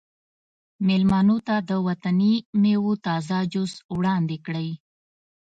میلمنو ته د وطني میوو تازه جوس وړاندې کړئ